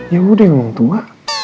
yaudah yang emang tua